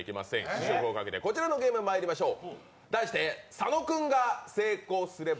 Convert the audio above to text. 試食をかけてこちらのゲーム、まいりましょう。